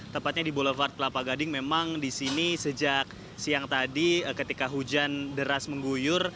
tepatnya di boulevard kelapa gading memang di sini sejak siang tadi ketika hujan deras mengguyur